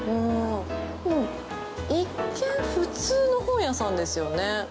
一見、普通の本屋さんですよね。